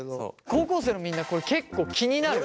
高校生のみんなこれ結構気になる？